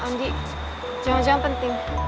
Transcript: andi jangan jangan penting